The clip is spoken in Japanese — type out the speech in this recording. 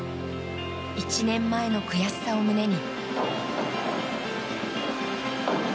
１年前の悔しさを胸に。